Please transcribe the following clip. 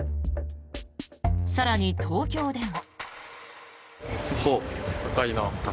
更に、東京でも。